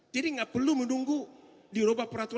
jadi gak perlu menunggu diroba peraturan kpu